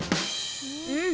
うん。